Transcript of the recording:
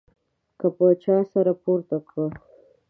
که به چا سر پورته کړ.